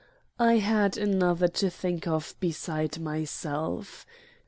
I had another to think of beside myself.